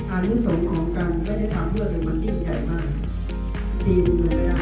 อาริสมของกันไม่ได้ทำเพื่อเป็นมันที่ใหญ่มากดีเหมือนกัน